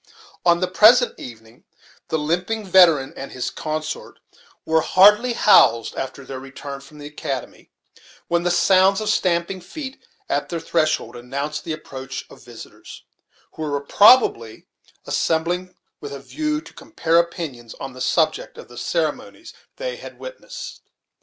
On the present evening the limping veteran and his consort were hardly housed after their return from the academy, when the sounds of stamping feet at their threshold announced the approach of visitors, who were probably assembling with a view to compare opinions on the subject of the ceremonies they had witnessed.